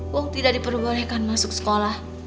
wong tidak diperbolehkan masuk sekolah